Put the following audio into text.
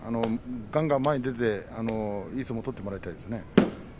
がんがん前に出ていい相撲を取ってもらいたいですね。